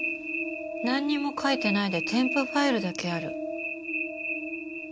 なんにも書いてないで添付ファイルだけある。